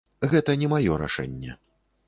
Гэта не маё рашэнне.